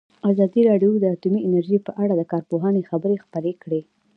ازادي راډیو د اټومي انرژي په اړه د کارپوهانو خبرې خپرې کړي.